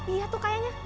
iya tuh kayaknya